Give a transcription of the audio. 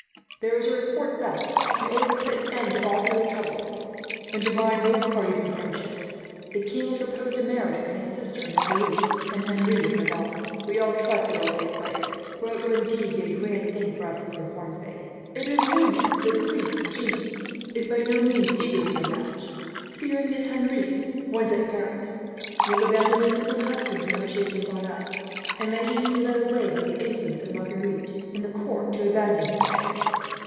"There is a report that, in order to put an end to all further troubles, and to bind both parties in friendship, the king has proposed a marriage between his sister Marguerite and Henry of Navarre. We all trust that it will take place, for it will indeed be a grand thing for us of the reformed faith. "It is rumoured that Queen Jeanne is by no means eager for the match, fearing that Henry, once at Paris, will abandon the simple customs in which he has been brought up; and may even be led away, by the influence of Marguerite and the court, to abandon his faith.